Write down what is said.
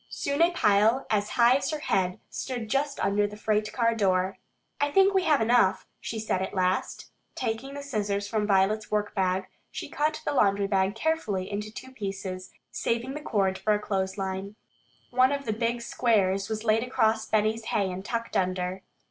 Soon a pile as high as her head stood just under the freight car door. "I think we have enough," she said at last. Taking the scissors from Violet's workbag, she cut the laundry bag carefully into two pieces, saving the cord for a clothesline. One of the big squares was laid across Benny's hay and tucked under.